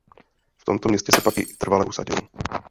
V tomto městě se pak i trvale usadil.